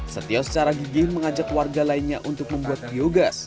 setio secara gigih mengajak warga lainnya untuk membuat biogas